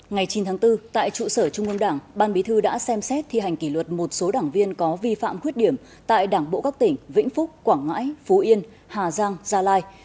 ngày chín tháng bốn tại trụ sở trung ương đảng ban bí thư đã xem xét thi hành kỷ luật một số đảng viên có vi phạm khuyết điểm tại đảng bộ các tỉnh vĩnh phúc quảng ngãi phú yên hà giang gia lai